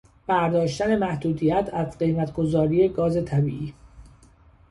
برداشتن محدودیت از قیمت گذاری گاز طبیعی